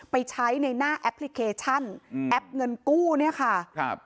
ไปใช้ในหน้าแอปพลิเคชันอืมแอปเงินกู้เนี่ยค่ะครับ